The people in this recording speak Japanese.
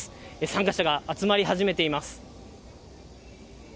参加者が集まり始めています。